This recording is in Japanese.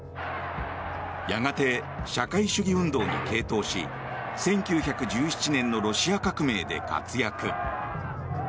やがて社会主義運動に傾倒し１９１７年のロシア革命で活躍。